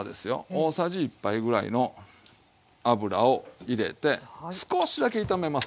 大さじ１杯ぐらいの油を入れて少しだけ炒めます。